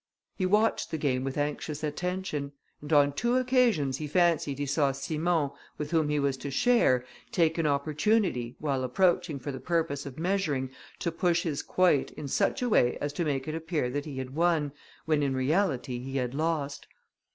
He watched the game with anxious attention; and on two occasions he fancied he saw Simon, with whom he was to share, take an opportunity, while approaching for the purpose of measuring, to push his quoit in such a way as to make it appear that he had won, when in reality he had lost.